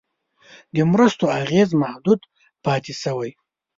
د مرستو اغېز محدود پاتې شوی.